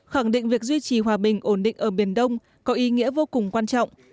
khẳng định việc duy trì hòa bình ổn định ở biển đông có ý nghĩa vô cùng quan trọng